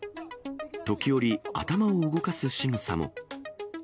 時折、頭を動かすしぐさも。